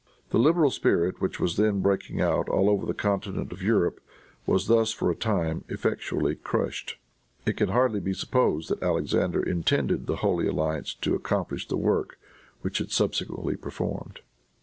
The liberal spirit, which was then breaking out all over the continent of Europe, was thus, for a time, effectually crushed. It can hardly be supposed that Alexander intended the Holy Alliance to accomplish the work which it subsequently performed.